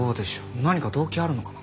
何か動機あるのかな。